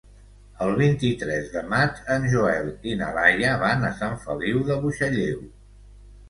El vint-i-tres de maig en Joel i na Laia van a Sant Feliu de Buixalleu.